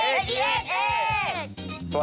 เอสอีเอสเอส